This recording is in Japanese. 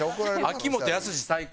「秋元康最高。」。